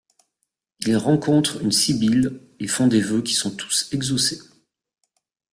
Ils rencontrent une Sibylle et font des vœux qui sont tous exaucés.